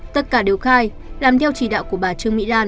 tất cả đều khai làm theo chỉ đạo của bà trương mỹ lan